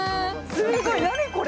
すごい何これ？